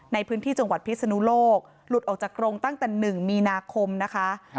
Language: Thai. ในพื้นที่จังหวัดพิศนุโลกหลุดออกจากกรงตั้งแต่๑มีนาคมนะคะ